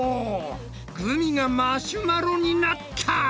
グミがマシュマロになった！